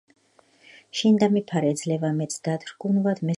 შენ დამიფარე, ძლევა მეც დათრგუნვად მე სატანისა